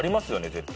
絶対。